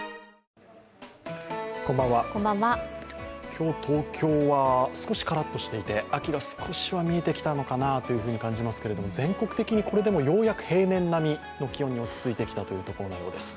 今日、東京は少しカラッとしていて、秋が少しは見えてきたのかなと感じますけれども、全国的にこれでも、ようやく平年並みの気温に落ち着いてきたようです。